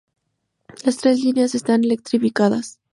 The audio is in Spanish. Las tres líneas están electrificadas.